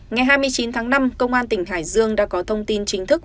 ngày hai mươi chín tháng năm công an tỉnh hải dương đã có thông tin chính thức